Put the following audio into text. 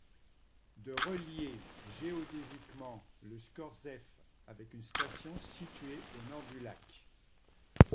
De relier géodésiquement le Scorzef avec une station située au nord du lac?